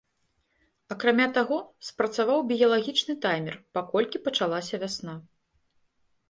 Акрамя таго, спрацаваў біялагічны таймер, паколькі пачалася вясна.